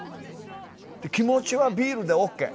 気持ちはビールでＯＫ。